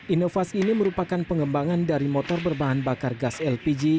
inovasi ini merupakan pengembangan dari motor berbahan bakar gas lpg